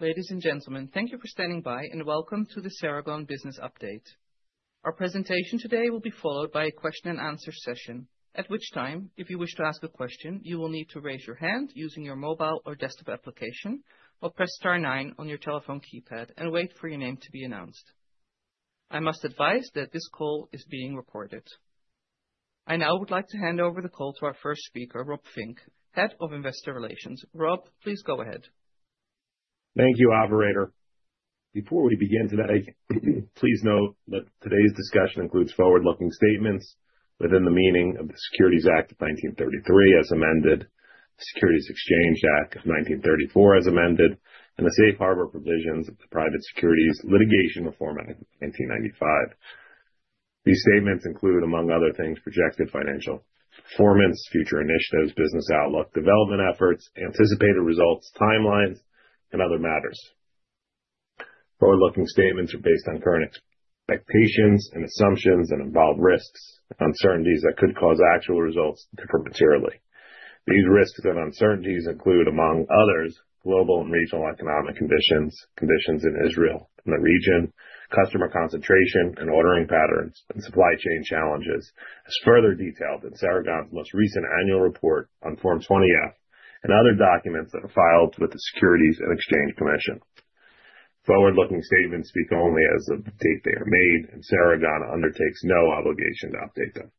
Ladies and gentlemen, thank you for standing by and welcome to the Ceragon Business Update. Our presentation today will be followed by a question-and-answer session, at which time, if you wish to ask a question, you will need to raise your hand using your mobile or desktop application, or press star nine on your telephone keypad, and wait for your name to be announced. I must advise that this call is being recorded. I now would like to hand over the call to our first speaker, Rob Fink, Head of Investor Relations. Rob, please go ahead. Thank you, Operator. Before we begin today, please note that today's discussion includes forward-looking statements within the meaning of the Securities Act of 1933, as amended, the Securities Exchange Act of 1934, as amended, and the safe harbor provisions of the Private Securities Litigation Reform Act of 1995. These statements include, among other things, projected financial performance, future initiatives, business outlook, development efforts, anticipated results, timelines, and other matters. Forward-looking statements are based on current expectations and assumptions and involved risks and uncertainties that could cause actual results differ materially. These risks and uncertainties include, among others, global and regional economic conditions, conditions in Israel and the region, customer concentration and ordering patterns, and supply chain challenges, as further detailed in Ceragon's most recent annual report on Form 20-F and other documents that are filed with the Securities and Exchange Commission. Forward-looking statements speak only as of the date they are made, and Ceragon undertakes no obligation to update them.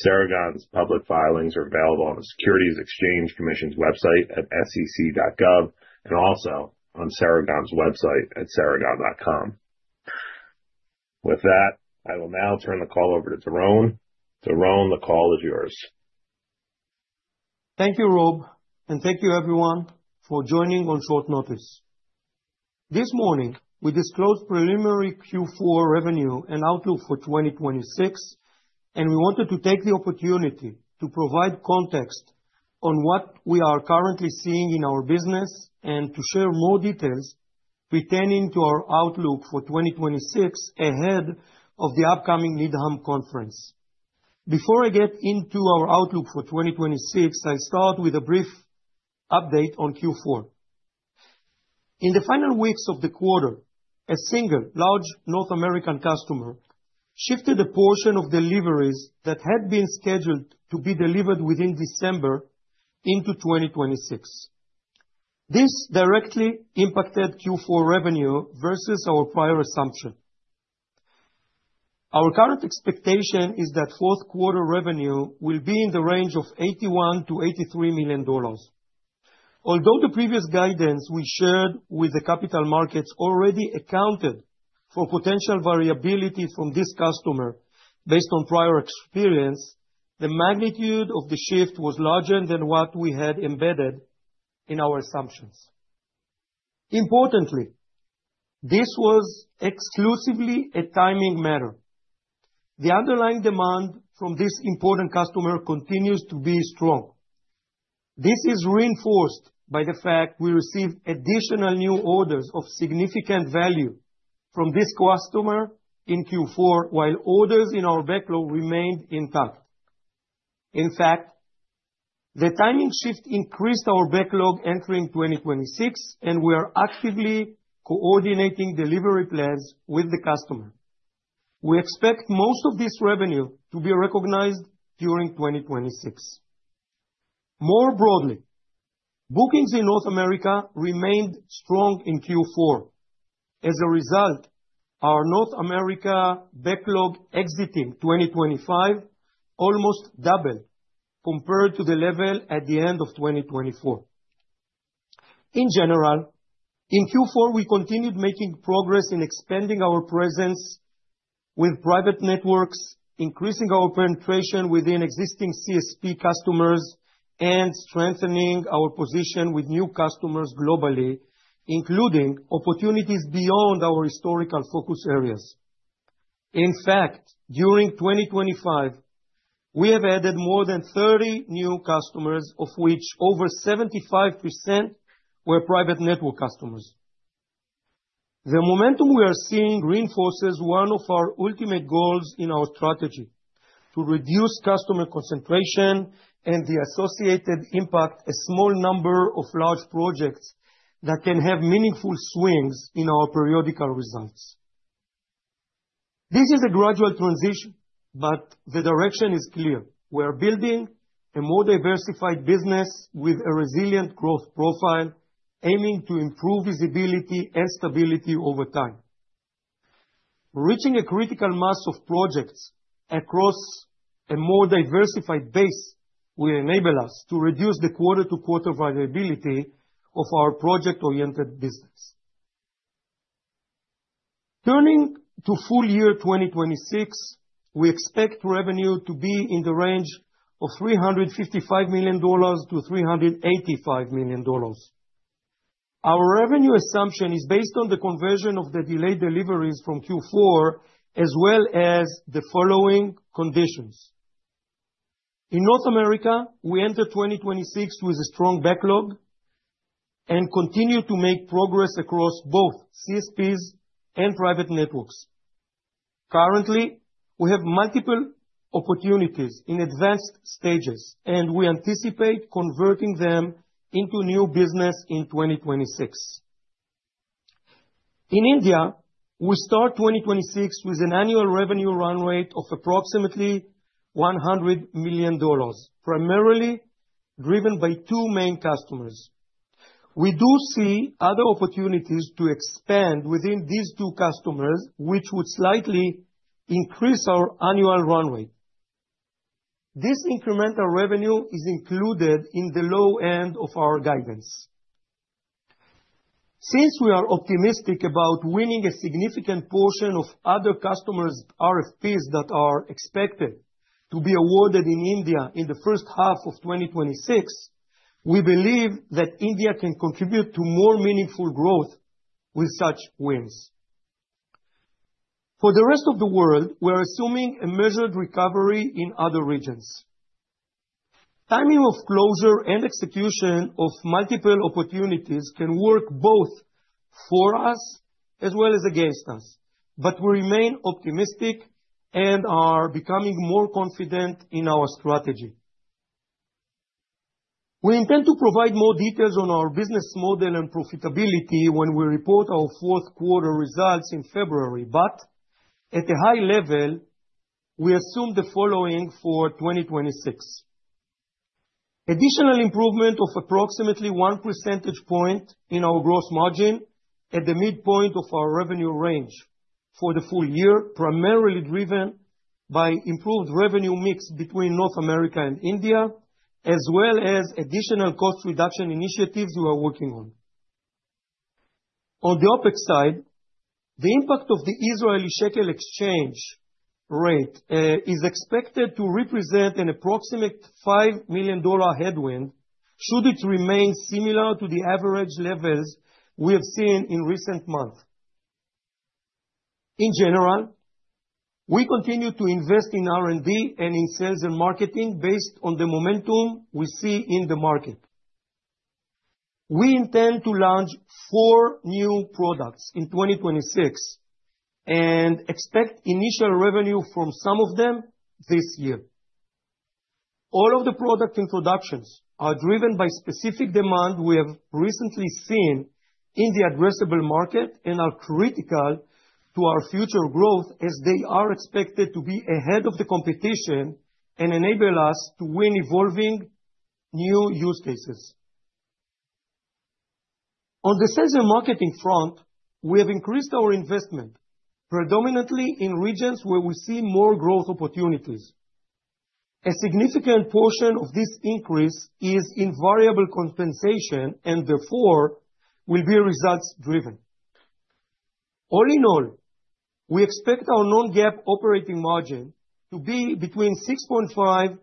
Ceragon's public filings are available on the Securities and Exchange Commission's website at sec.gov and also on Ceragon's website at ceragon.com. With that, I will now turn the call over to Doron. Doron, the call is yours. Thank you, Rob, and thank you, everyone, for joining on short notice. This morning, we disclosed preliminary Q4 revenue and outlook for 2026, and we wanted to take the opportunity to provide context on what we are currently seeing in our business and to share more details pertaining to our outlook for 2026 ahead of the upcoming Needham Conference. Before I get into our outlook for 2026, I'll start with a brief update on Q4. In the final weeks of the quarter, a single large North American customer shifted a portion of deliveries that had been scheduled to be delivered within December into 2026. This directly impacted Q4 revenue versus our prior assumption. Our current expectation is that fourth-quarter revenue will be in the range of $81-$83 million. Although the previous guidance we shared with the capital markets already accounted for potential variability from this customer based on prior experience, the magnitude of the shift was larger than what we had embedded in our assumptions. Importantly, this was exclusively a timing matter. The underlying demand from this important customer continues to be strong. This is reinforced by the fact we received additional new orders of significant value from this customer in Q4, while orders in our backlog remained intact. In fact, the timing shift increased our backlog entering 2026, and we are actively coordinating delivery plans with the customer. We expect most of this revenue to be recognized during 2026. More broadly, bookings in North America remained strong in Q4. As a result, our North America backlog exiting 2025 almost doubled compared to the level at the end of 2024. In general, in Q4, we continued making progress in expanding our presence with private networks, increasing our penetration within existing CSP customers, and strengthening our position with new customers globally, including opportunities beyond our historical focus areas. In fact, during 2025, we have added more than 30 new customers, of which over 75% were private network customers. The momentum we are seeing reinforces one of our ultimate goals in our strategy: to reduce customer concentration and the associated impact a small number of large projects that can have meaningful swings in our periodical results. This is a gradual transition, but the direction is clear. We are building a more diversified business with a resilient growth profile, aiming to improve visibility and stability over time. Reaching a critical mass of projects across a more diversified base will enable us to reduce the quarter-to-quarter variability of our project-oriented business. Turning to full year 2026, we expect revenue to be in the range of $355 million-$385 million. Our revenue assumption is based on the conversion of the delayed deliveries from Q4, as well as the following conditions. In North America, we enter 2026 with a strong backlog and continue to make progress across both CSPs and private networks. Currently, we have multiple opportunities in advanced stages, and we anticipate converting them into new business in 2026. In India, we start 2026 with an annual revenue run rate of approximately $100 million, primarily driven by two main customers. We do see other opportunities to expand within these two customers, which would slightly increase our annual run rate. This incremental revenue is included in the low end of our guidance. Since we are optimistic about winning a significant portion of other customers' RFPs that are expected to be awarded in India in the first half of 2026, we believe that India can contribute to more meaningful growth with such wins. For the rest of the world, we are assuming a measured recovery in other regions. Timing of closure and execution of multiple opportunities can work both for us as well as against us, but we remain optimistic and are becoming more confident in our strategy. We intend to provide more details on our business model and profitability when we report our fourth-quarter results in February, but at a high level, we assume the following for 2026: additional improvement of approximately one percentage point in our gross margin at the midpoint of our revenue range for the full year, primarily driven by improved revenue mix between North America and India, as well as additional cost reduction initiatives we are working on. On the opposite side, the impact of the Israeli shekel exchange rate is expected to represent an approximate $5 million headwind should it remain similar to the average levels we have seen in recent months. In general, we continue to invest in R&D and in sales and marketing based on the momentum we see in the market. We intend to launch four new products in 2026 and expect initial revenue from some of them this year. All of the product introductions are driven by specific demand we have recently seen in the addressable market and are critical to our future growth, as they are expected to be ahead of the competition and enable us to win evolving new use cases. On the sales and marketing front, we have increased our investment, predominantly in regions where we see more growth opportunities. A significant portion of this increase is in variable compensation and therefore will be results-driven. All in all, we expect our non-GAAP operating margin to be between 6.5%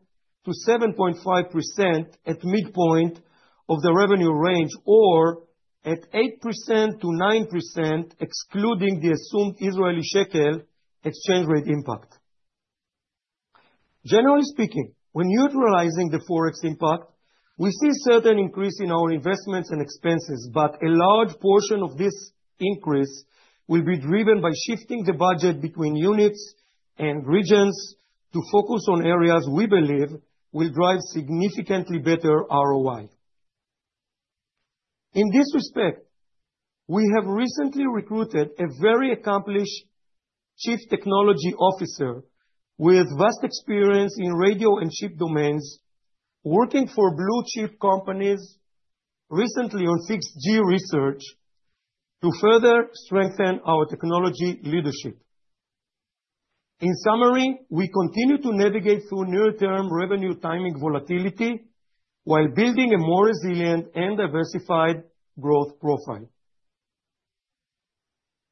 to 7.5% at midpoint of the revenue range or at 8% to 9%, excluding the assumed Israeli shekel exchange rate impact. Generally speaking, when neutralizing the forex impact, we see a certain increase in our investments and expenses, but a large portion of this increase will be driven by shifting the budget between units and regions to focus on areas we believe will drive significantly better ROI. In this respect, we have recently recruited a very accomplished Chief Technology Officer with vast experience in radio and chip domains, working for blue-chip companies recently on 6G research to further strengthen our technology leadership. In summary, we continue to navigate through near-term revenue timing volatility while building a more resilient and diversified growth profile.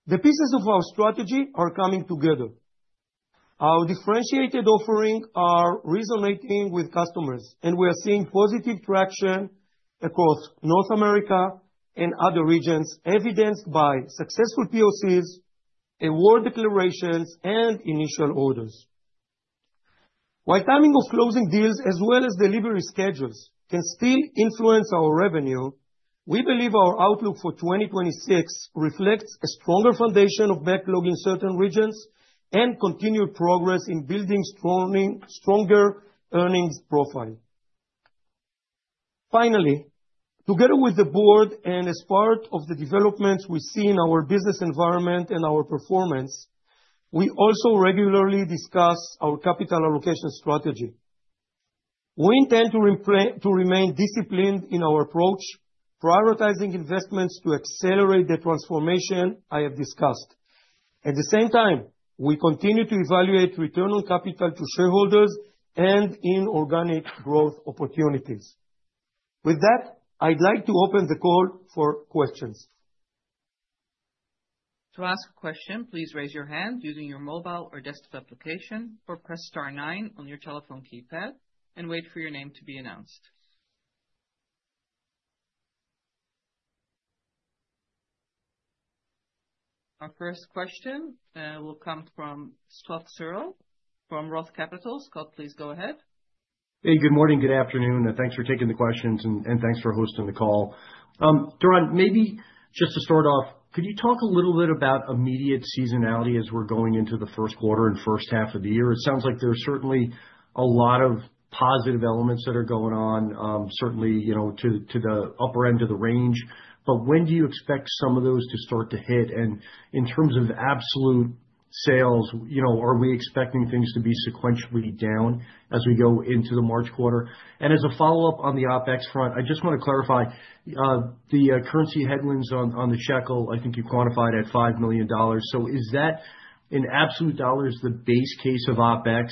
The pieces of our strategy are coming together. Our differentiated offerings are resonating with customers, and we are seeing positive traction across North America and other regions, evidenced by successful POCs, award declarations, and initial orders. While timing of closing deals, as well as delivery schedules, can still influence our revenue, we believe our outlook for 2026 reflects a stronger foundation of backlog in certain regions and continued progress in building stronger earnings profile. Finally, together with the Board and as part of the developments we see in our business environment and our performance, we also regularly discuss our capital allocation strategy. We intend to remain disciplined in our approach, prioritizing investments to accelerate the transformation I have discussed. At the same time, we continue to evaluate return on capital to shareholders and inorganic growth opportunities. With that, I'd like to open the call for questions. To ask a question, please raise your hand using your mobile or desktop application or press star nine on your telephone keypad and wait for your name to be announced. Our first question will come from Scott Searle from Roth Capital. Scott, please go ahead. Hey, good morning, good afternoon, and thanks for taking the questions and thanks for hosting the call. Doron, maybe just to start off, could you talk a little bit about immediate seasonality as we're going into the first quarter and first half of the year? It sounds like there's certainly a lot of positive elements that are going on, certainly, you know, to the upper end of the range, but when do you expect some of those to start to hit? And in terms of absolute sales, you know, are we expecting things to be sequentially down as we go into the March quarter? And as a follow-up on the OpEx front, I just want to clarify the currency headwinds on the shekel. I think you quantified at $5 million. Is that in absolute dollars the base case of OpEx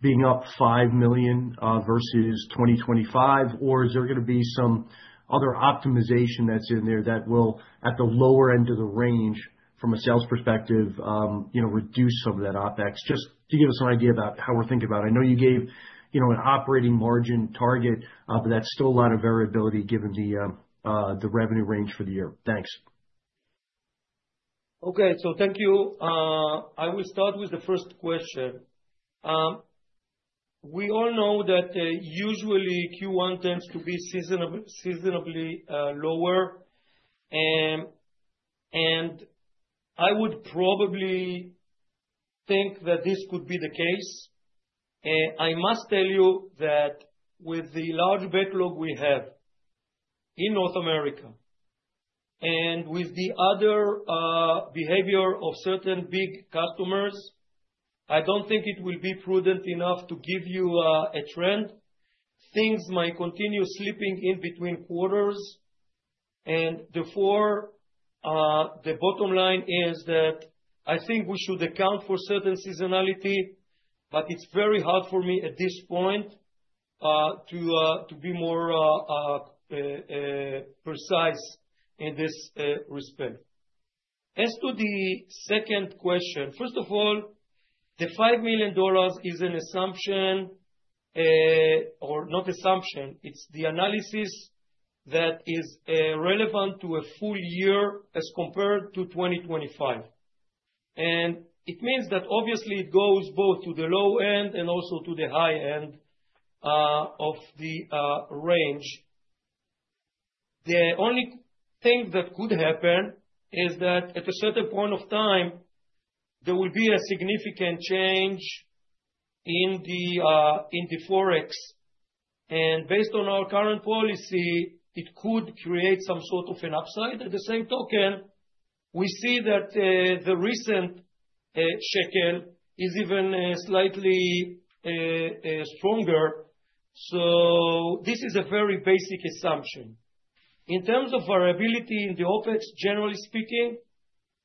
being up $5 million versus 2025, or is there going to be some other optimization that's in there that will, at the lower end of the range from a sales perspective, you know, reduce some of that OpEx? Just to give us an idea about how we're thinking about it. I know you gave, you know, an operating margin target, but that's still a lot of variability given the revenue range for the year. Thanks. Okay, so thank you. I will start with the first question. We all know that usually Q1 tends to be seasonally lower, and I would probably think that this could be the case. I must tell you that with the large backlog we have in North America and with the other behavior of certain big customers, I don't think it will be prudent enough to give you a trend. Things might continue slipping in between quarters, and therefore, the bottom line is that I think we should account for certain seasonality, but it's very hard for me at this point to be more precise in this respect. As to the second question, first of all, the $5 million is an assumption, or not assumption, it's the analysis that is relevant to a full year as compared to 2025. It means that obviously it goes both to the low end and also to the high end of the range. The only thing that could happen is that at a certain point of time, there will be a significant change in the forex. Based on our current policy, it could create some sort of an upside. At the same token, we see that the recent shekel is even slightly stronger. This is a very basic assumption. In terms of variability in the OpEx, generally speaking,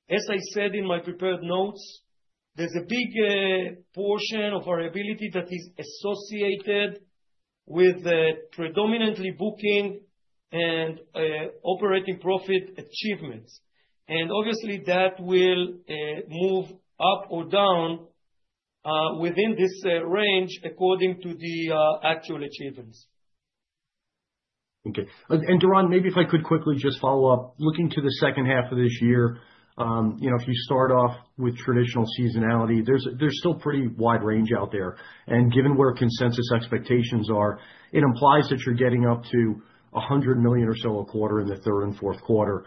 as I said in my prepared notes, there's a big portion of variability that is associated with predominantly booking and operating profit achievements. Obviously, that will move up or down within this range according to the actual achievements. Okay. And Doron, maybe if I could quickly just follow up, looking to the second half of this year, you know, if you start off with traditional seasonality, there's still a pretty wide range out there. And given where consensus expectations are, it implies that you're getting up to $100 million or so a quarter in the third and fourth quarter.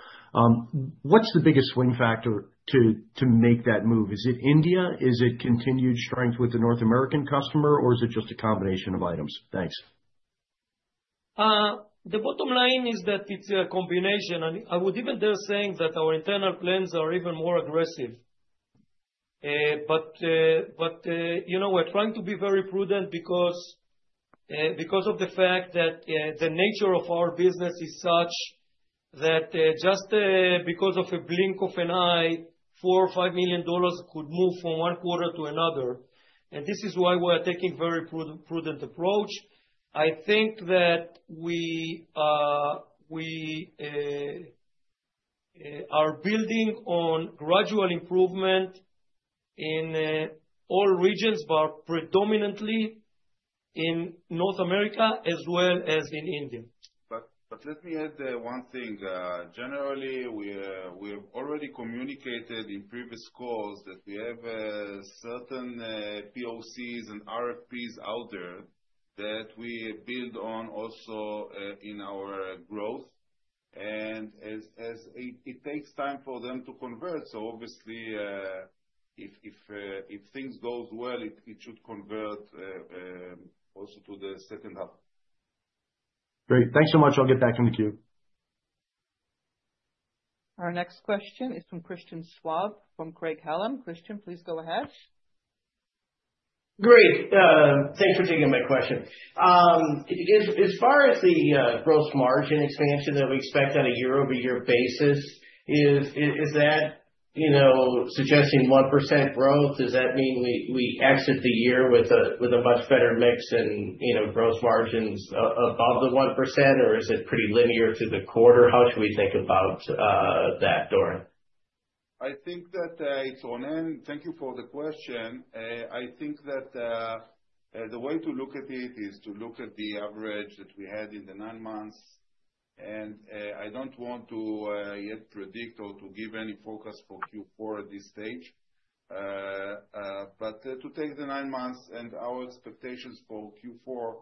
What's the biggest swing factor to make that move? Is it India? Is it continued strength with the North American customer, or is it just a combination of items? Thanks. The bottom line is that it's a combination. And I would even dare say that our internal plans are even more aggressive. But, you know, we're trying to be very prudent because of the fact that the nature of our business is such that just because of a blink of an eye, $4-$5 million could move from one quarter to another. And this is why we are taking a very prudent approach. I think that we are building on gradual improvement in all regions, but predominantly in North America as well as in India. But let me add one thing. Generally, we have already communicated in previous calls that we have certain POCs and RFPs out there that we build on also in our growth. And as it takes time for them to convert, so obviously, if things go well, it should convert also to the second half. Great. Thanks so much. I'll get back in the queue. Our next question is from Christian Schwab from Craig-Hallum. Christian, please go ahead. Great. Thanks for taking my question. As far as the gross margin expansion that we expect on a year-over-year basis, is that, you know, suggesting 1% growth? Does that mean we exit the year with a much better mix and, you know, gross margins above the 1%, or is it pretty linear to the quarter? How should we think about that, Doron? I think that it's the end. Thank you for the question. I think that the way to look at it is to look at the average that we had in the nine months, and I don't want to yet predict or to give any focus for Q4 at this stage, but to take the nine months and our expectations for Q4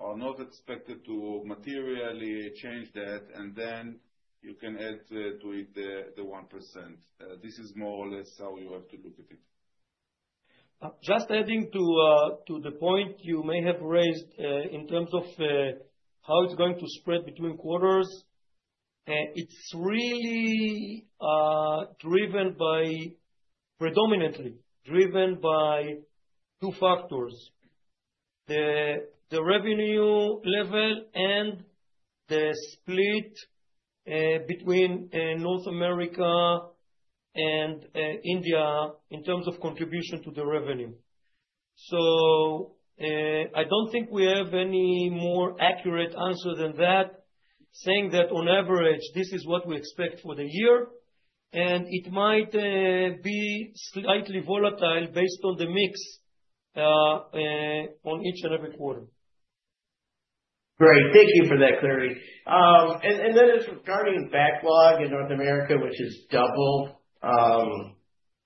are not expected to materially change that, and then you can add to it the 1%. This is more or less how you have to look at it. Just adding to the point you may have raised in terms of how it's going to spread between quarters, it's really driven by, predominantly driven by two factors: the revenue level and the split between North America and India in terms of contribution to the revenue. So I don't think we have any more accurate answer than that, saying that on average, this is what we expect for the year, and it might be slightly volatile based on the mix on each and every quarter. Great. Thank you for that clarity. And then as regarding backlog in North America, which is double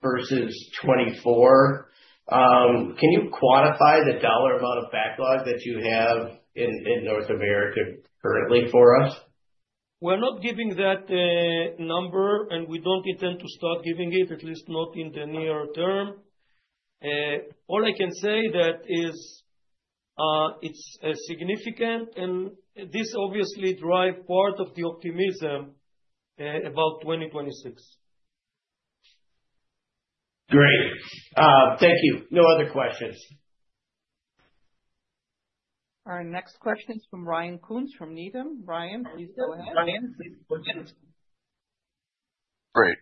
versus 2024, can you quantify the dollar amount of backlog that you have in North America currently for us? We're not giving that number, and we don't intend to start giving it, at least not in the near term. All I can say, that is, it's significant, and this obviously drives part of the optimism about 2026. Great. Thank you. No other questions. Our next question is from Ryan Koontz from Needham. Ryan, please go ahead. Ryan Koontz. Great.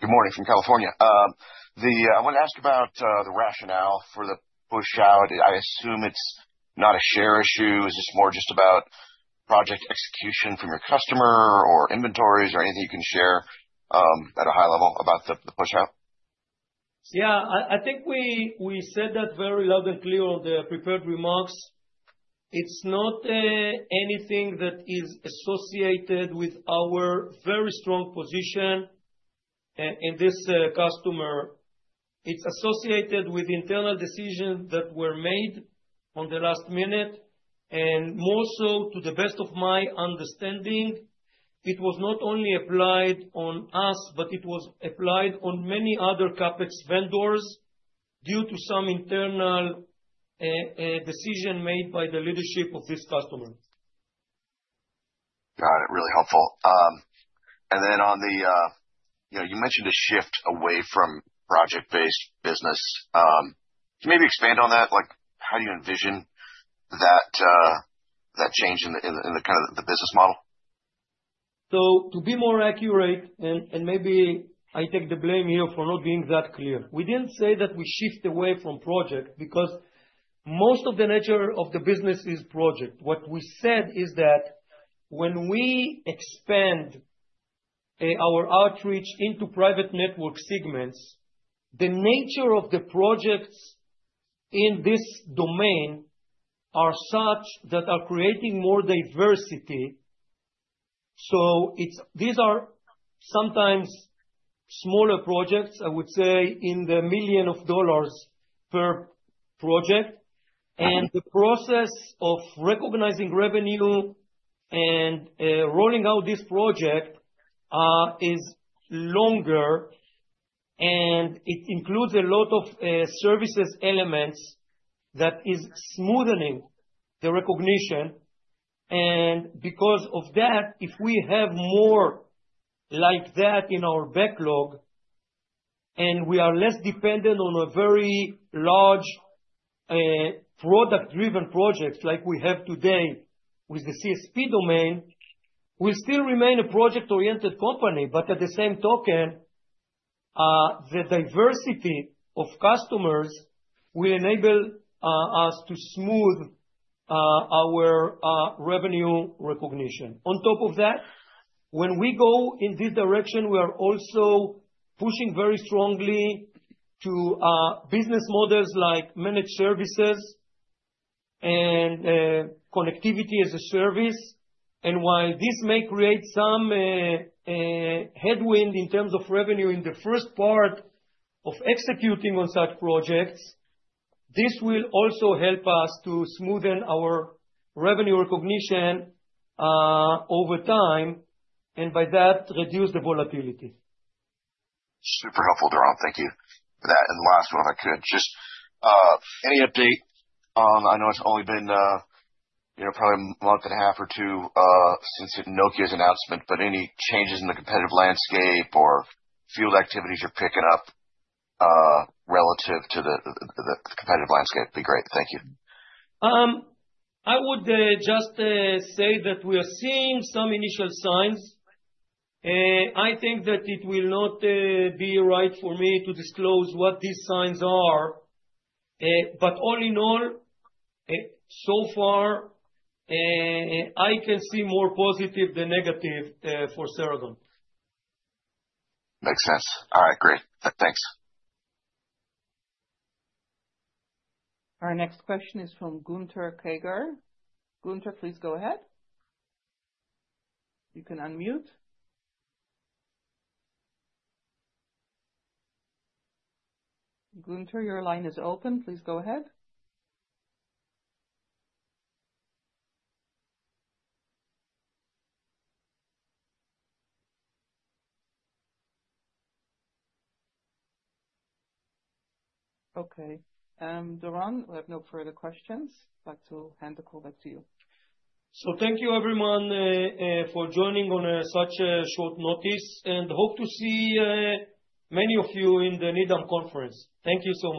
Good morning from California. I wanted to ask about the rationale for the push-out. I assume it's not a share issue. Is this more just about project execution from your customer or inventories or anything you can share at a high level about the push-out? Yeah, I think we said that very loud and clear on the prepared remarks. It's not anything that is associated with our very strong position in this customer. It's associated with internal decisions that were made at the last minute, and more so, to the best of my understanding, it was not only applied on us, but it was applied on many other CapEx vendors due to some internal decision made by the leadership of this customer. Got it. Really helpful. And then on the, you know, you mentioned a shift away from project-based business. Can you maybe expand on that? Like, how do you envision that change in the kind of the business model? So to be more accurate, and maybe I take the blame here for not being that clear, we didn't say that we shift away from project because most of the nature of the business is project. What we said is that when we expand our outreach into private network segments, the nature of the projects in this domain are such that are creating more diversity. So these are sometimes smaller projects, I would say, in the millions of dollars per project. And the process of recognizing revenue and rolling out this project is longer, and it includes a lot of service elements that are smoothing the recognition. And because of that, if we have more like that in our backlog and we are less dependent on a very large product-driven project like we have today with the CSP domain, we'll still remain a project-oriented company. But at the same token, the diversity of customers will enable us to smooth our revenue recognition. On top of that, when we go in this direction, we are also pushing very strongly to business models like managed services and connectivity as a service. And while this may create some headwind in terms of revenue in the first part of executing on such projects, this will also help us to smoothen our revenue recognition over time and by that reduce the volatility. Super helpful, Doron. Thank you for that. And the last one, if I could, just any update on, I know it's only been, you know, probably a month and a half or two since Nokia's announcement, but any changes in the competitive landscape or field activities you're picking up relative to the competitive landscape would be great. Thank you. I would just say that we are seeing some initial signs. I think that it will not be right for me to disclose what these signs are. But all in all, so far, I can see more positive than negative for Ceragon. Makes sense. All right. Great. Thanks. Our next question is from Gunther Karger. Gunther, please go ahead. You can unmute. Gunther, your line is open. Please go ahead. Okay. Doron, we have no further questions. I'd like to hand the call back to you. So thank you, everyone, for joining on such short notice, and hope to see many of you in the Needham Conference. Thank you so much.